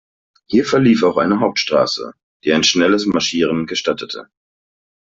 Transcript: Hier verlief auch eine Hauptstraße, die ein schnelleres Marschieren gestattete.